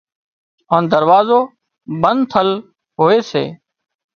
هانَ دروازو بند ٿل هوئي سي